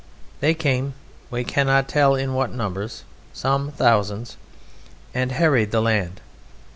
They came we cannot tell in what numbers, some thousands and harried the land.